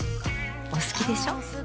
お好きでしょ。